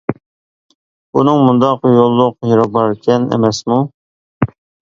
بۇنىڭ مۇنداق يوللۇق يېرى باركەن ئەمەسمۇ.